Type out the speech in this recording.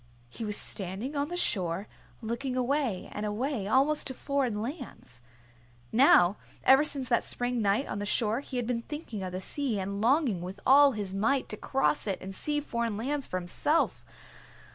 He was standing on the shore, looking away and away, almost to foreign lands. Now ever since that spring night on the shore he had been thinking of the sea and longing with all his might to cross it and see foreign lands for himself.